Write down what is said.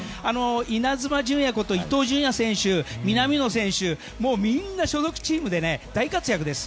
イナズマ純也こと伊東純也選手南野選手、みんな所属チームで大活躍です。